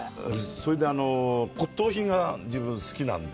それで、骨とう品が、自分、好きなんで。